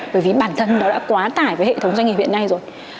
bởi vì bản thân nó đã quá tải với hệ thống doanh nghiệp hiện nay rồi